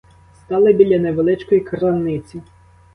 Стали біля невеличкої крамниці.